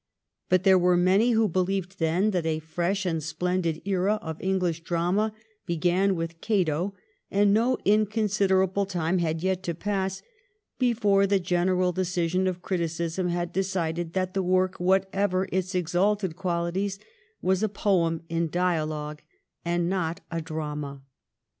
But there were many who believed then that a fresh and splendid era of the English drama began with ' Cato,' and no inconsiderable time had yet to pass before the general decision of criticism had decided that the work, whatever its exalted qualities, was a poem in dialogue and not a drama.